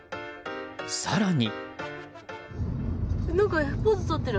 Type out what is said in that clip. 更に。